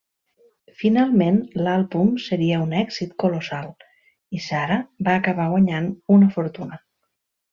Finalment l'àlbum seria un èxit colossal i Sara va acabar guanyant una fortuna.